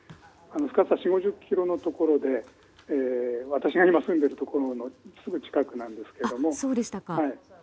深さ４０５０ｋｍのところで私が今、住んでいるところのすぐ近くなんですけども。